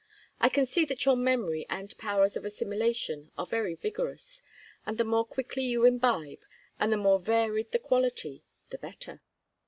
I can see that your memory and powers of assimilation are very vigorous, and the more quickly you imbibe, and the more varied the quality, the better.